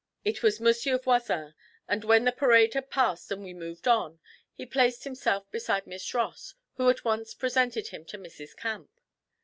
It was Monsieur Voisin, and when the parade had passed and we moved on, he placed himself beside Miss Ross, who at once presented him to Mrs. Camp.